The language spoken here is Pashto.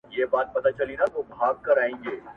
• وایه شیخه وایه چي توبه که پیاله ماته کړم..